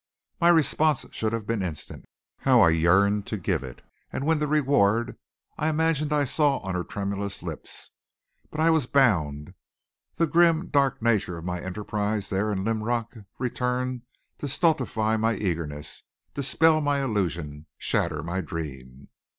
My response should have been instant. How I yearned to give it and win the reward I imagined I saw on her tremulous lips! But I was bound. The grim, dark nature of my enterprise there in Linrock returned to stultify my eagerness, dispel my illusion, shatter my dream.